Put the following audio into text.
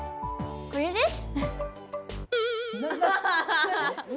これです。